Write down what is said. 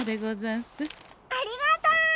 ありがとう！